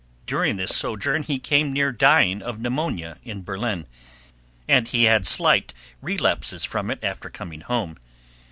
During this sojourn he came near dying of pneumonia in Berlin, and he had slight relapses from it after coming home.